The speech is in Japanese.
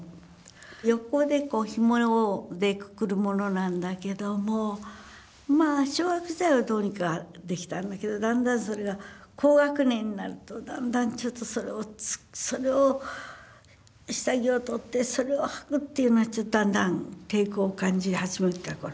横でひもでくくるものなんだけども小学生はどうにかできたんだけどそれが高学年になるとだんだんちょっとそれを下着を取ってそれをはくというのは抵抗を感じ始めた頃。